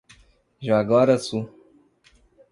Jaguaraçu